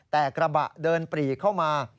แต่กระบะเดินปรีเข้ามา